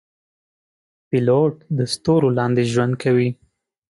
پیلوټ د ستورو لاندې ژوند کوي.